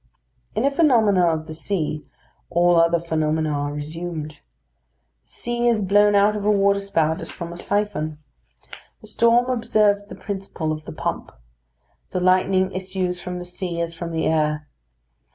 In a phenomenon of the sea, all other phenomena are resumed. The sea is blown out of a waterspout as from a syphon; the storm observes the principle of the pump; the lightning issues from the sea as from the air.